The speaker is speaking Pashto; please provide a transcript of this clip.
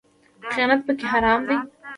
خیانت پکې حرام دی